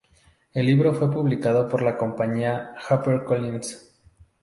El libro fue publicado por la compañía HarperCollins.